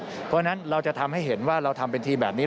เพราะฉะนั้นเราจะทำให้เห็นว่าเราทำเป็นทีแบบนี้